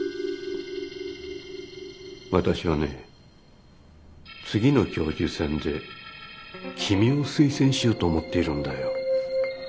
私はね次の教授選で君を推薦しようと思っているんだよ。